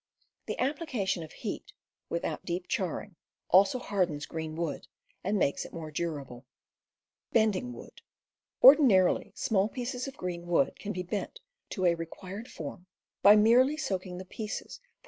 The application of heat, without deeply charring, also hardens green wood, and makes it more durable. Ordinarily, small pieces of green wood can be bent to a required form by merely soaking the pieces for